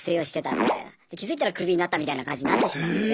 で気づいたらクビになったみたいな感じになってしまうんで。